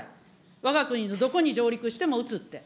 わが国のどこに上陸しても撃つって。